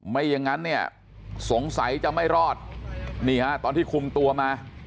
ไม่อย่างนั้นเนี่ยสงสัยจะไม่รอดนี่ฮะตอนที่คุมตัวมา